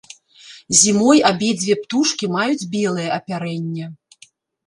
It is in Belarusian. Зімой абедзве птушкі маюць белае апярэнне.